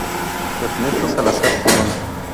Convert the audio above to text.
Ernesto Salazar Girón.